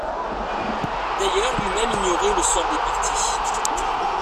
D'ailleurs, lui-même ignorait le sort des partis.